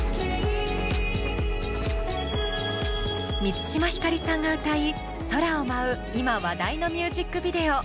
満島ひかりさんが歌い空を舞う今話題のミュージックビデオ。